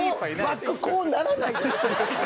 バックこうならないです。